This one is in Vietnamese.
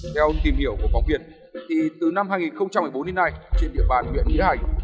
theo tìm hiểu của phóng viên thì từ năm hai nghìn một mươi bốn đến nay trên địa bàn nguyện nghĩa hành